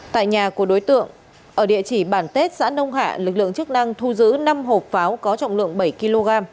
tại nhà của đối tượng ở địa chỉ bản tết xã nông hạ lực lượng chức năng thu giữ năm hộp pháo có trọng lượng bảy kg